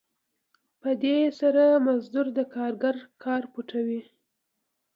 په دې سره مزد د کارګر کار پټوي